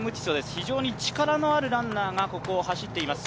非常に力のあるランナーがここを走っています。